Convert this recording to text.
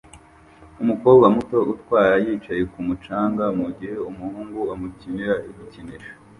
Umukobwa muto utwara yicaye kumu canga mugihe umuhungu amukinira igikinisho